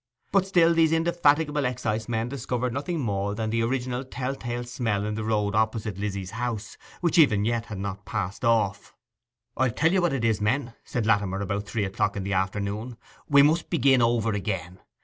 But still these indefatigable excisemen discovered nothing more than the original tell tale smell in the road opposite Lizzy's house, which even yet had not passed off. 'I'll tell ye what it is, men,' said Latimer, about three o'clock in the afternoon, 'we must begin over again.